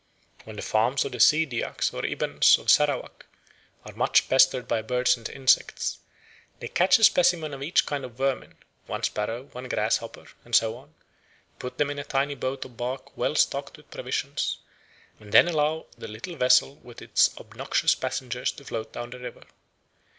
When the farms of the Sea Dyaks or Ibans of Sarawak are much pestered by birds and insects, they catch a specimen of each kind of vermin (one sparrow, one grasshopper, and so on), put them in a tiny boat of bark well stocked with provisions, and then allow the little vessel with its obnoxious passengers to float down the river.